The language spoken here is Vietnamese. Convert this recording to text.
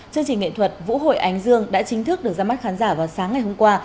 chương trình nghệ thuật vũ hội ánh dương đã chính thức được ra mắt khán giả vào sáng ngày hôm qua